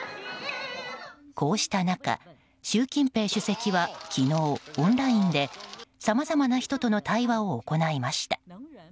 こうした中、習近平主席は昨日オンラインでさまざまな人との対話を行いました。